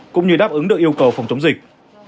cũng như đáp ứng được yêu cầu phòng chống dịch